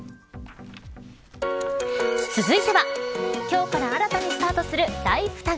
続いては今日から新たにスタートするＬｉｆｅＴａｇ。